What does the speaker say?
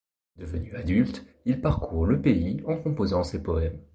Devenu adulte, Il parcourt le pays en composant ses poèmes.